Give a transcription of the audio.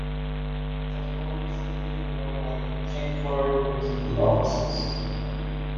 It has more recently been known as the Chingford Municipal Offices.